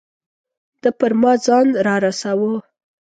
ده پر ما ځان را رساوه.